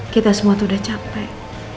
kita semua sudah capek